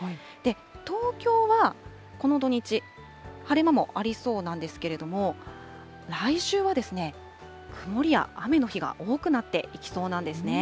東京はこの土日、晴れ間もありそうなんですけれども、来週は曇りや雨の日が多くなっていきそうなんですね。